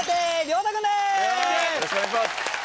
よろしくお願いします。